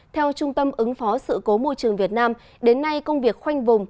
theo trung tâm ứng phó sự cố môi trường việt nam đến nay công việc khoanh vùng